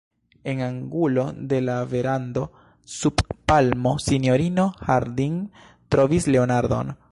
En angulo de la verando, sub palmo, sinjorino Harding trovis Leonardon.